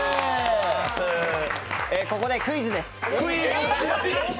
ここでクイズです。